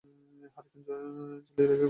Hurricane জ্বালিয়ে রেখে ঘুমুতে গেলাম।